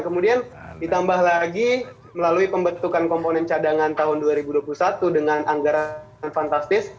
kemudian ditambah lagi melalui pembentukan komponen cadangan tahun dua ribu dua puluh satu dengan anggaran fantastis